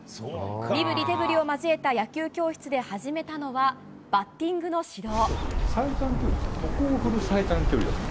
身振り手振りを交えた野球教室で始めたのはバッティングの指導。